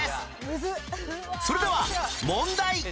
それでは問題